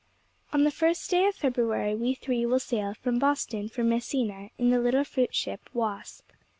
_ 'On the first day of February we three will sail from Boston for Messina, in the little fruit ship "Wasp."